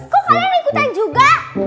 kok kalian ikutan juga